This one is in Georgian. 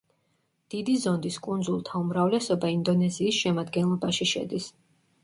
დიდი ზონდის კუნძულთა უმრავლესობა ინდონეზიის შემადგენლობაში შედის.